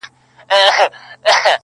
o زما سره يې دومره ناځواني وكړله .